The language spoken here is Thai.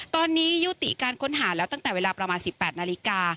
ตอนนี้ยุติการค้นหาแล้วตั้งแต่เวลาประมาณ๑๘นาฬิกา